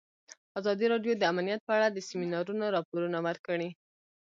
ازادي راډیو د امنیت په اړه د سیمینارونو راپورونه ورکړي.